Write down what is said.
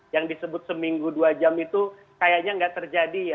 yang disebut seminggu dua jam itu kayaknya nggak terjadi ya